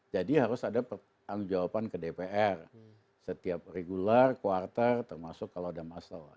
harus ada pertanggung jawaban ke dpr setiap regular quarter termasuk kalau ada masalah